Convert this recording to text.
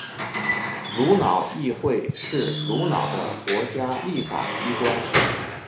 瑙鲁议会是瑙鲁的国家立法机关。